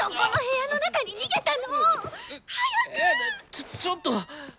ちょちょっと。